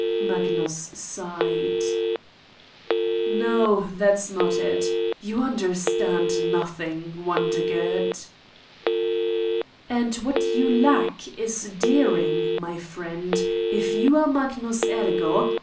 Magnus sighed. "No, that's not it. You understand nothing, Wondergood." "And what you lack is daring, my friend. If you are Magnus Ergo ...